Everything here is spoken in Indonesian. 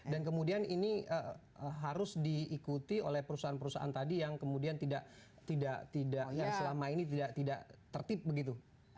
dan kemudian ini harus diikuti oleh perusahaan perusahaan tadi yang kemudian tidak selama ini tidak tertip begitu